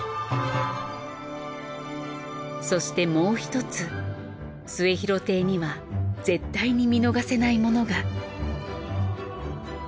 そしてもうひとつ『末廣亭』には絶対に見逃せないものが。